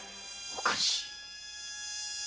おかしい。